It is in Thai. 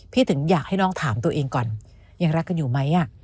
ถึงอยากให้น้องถามตัวเองก่อนยังรักกันอยู่ไหม